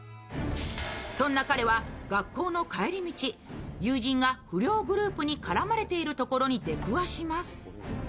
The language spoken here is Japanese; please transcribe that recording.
そんな彼は学校の帰り道、友人が不良グループに絡まれているのを見かけます。